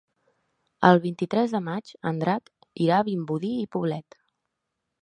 El vint-i-tres de maig en Drac irà a Vimbodí i Poblet.